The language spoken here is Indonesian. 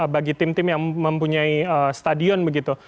bagi tim tim yang mempunyai stadion begitu